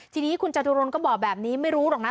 ทีนี้คุณจตุรนก็บอกแบบนี้ไม่รู้หรอกนะ